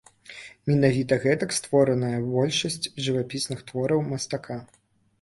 Менавіта гэтак створаная большасць жывапісных твораў мастака.